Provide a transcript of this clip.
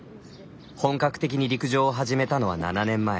本格的に陸上を始めたのは７年前。